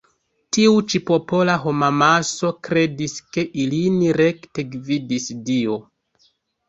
Tiu ĉi popola homamaso kredis ke ilin rekte gvidis Dio.